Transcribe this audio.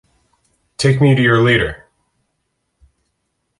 Take me to your leader!